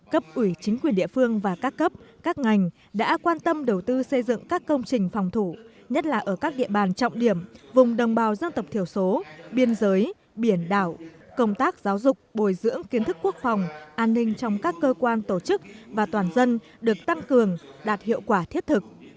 cấp ủy chính quyền địa phương và các cấp các ngành đã quan tâm đầu tư xây dựng các công trình phòng thủ nhất là ở các địa bàn trọng điểm vùng đồng bào dân tộc thiểu số biên giới biển đảo công tác giáo dục bồi dưỡng kiến thức quốc phòng an ninh trong các cơ quan tổ chức và toàn dân được tăng cường đạt hiệu quả thiết thực